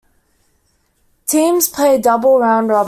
Teams play a double round robin.